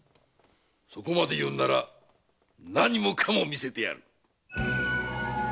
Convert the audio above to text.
そこまで言うなら何もかも見せてやる。